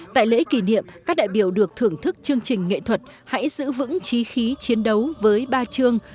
tại lễ kỷ niệm các đại biểu được thưởng thức chương trình nghệ thuật hãy giữ vững trí khí chiến đấu với ba chương